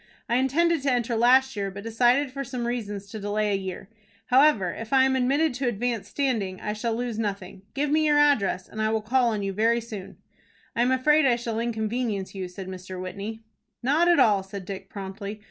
I intended to enter last year, but decided for some reasons to delay a year. However, if I am admitted to advanced standing, I shall lose nothing. Give me your address, and I will call on you very soon." "I am afraid I shall inconvenience you," said Mr. Whitney. "Not at all," said Dick, promptly.